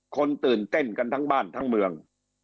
คนตื่นเต้นกันทั้งบ้านทั้งเมือง